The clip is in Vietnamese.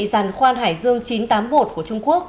giàn khoan hải dương chín trăm tám mươi một của trung quốc